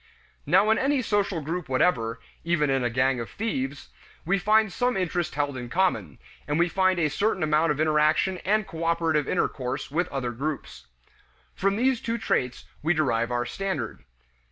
Now in any social group whatever, even in a gang of thieves, we find some interest held in common, and we find a certain amount of interaction and cooperative intercourse with other groups. From these two traits we derive our standard.